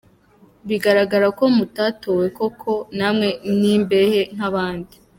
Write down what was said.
bigargara ko mutatowe koko namwe n’imbehe nk’abandi.